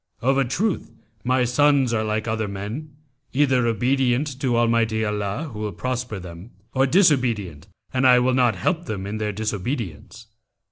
Of a truth my sons are like other men, either obedient to Almighty Allah who will prosper them, or disobedient and I will not help them in their disobedience.